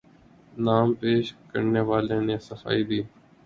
نام پیش کرنے والے نے صفائی دی